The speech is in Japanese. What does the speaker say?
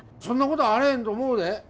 そんなことあれへんと思うで。